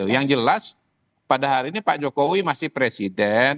yang jelas pada hari ini pak jokowi masih presiden